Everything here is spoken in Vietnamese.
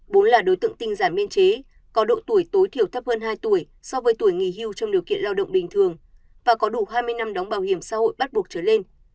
bốn là đối tượng tinh giản biên chế có độ tuổi tối thiểu thấp hơn hai tuổi so với tuổi nghỉ hưu trong điều kiện lao động bình thường và có đủ hai mươi năm đóng bảo hiểm xã hội bắt buộc trở lên